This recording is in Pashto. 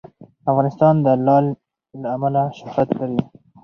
افغانستان د لعل له امله شهرت لري.